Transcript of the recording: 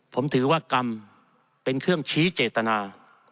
ผมถือว่ากรรมเป็นเครื่องชี้เจตนา